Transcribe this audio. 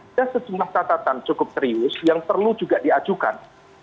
ada sejumlah catatan cukup serius yang perlu juga diajukan